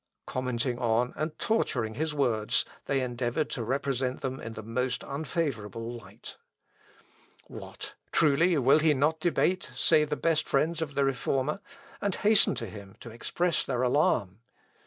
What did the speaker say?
Commenting on, and torturing his words, they endeavoured to represent them in the most unfavourable light. "What! truly? he will not debate?" say the best friends of the Reformer, and hasten to him to express their alarm.